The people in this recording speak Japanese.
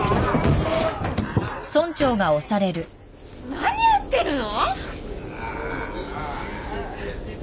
何やってるの！？